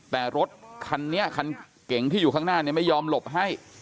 แต่รถคันนี้คันเก่งที่อยู่ข้างหน้าเนี่ยไม่ยอมหลบให้